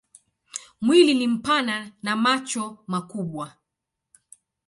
Mwili ni mpana na macho makubwa.